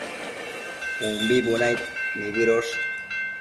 umbi bunaid nibëdosh